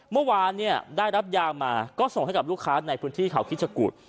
เมื่อวานเนี่ยได้รับยามาก็ส่งให้กับลูกค้าในพื้นที่เขาคิดชะกุฎ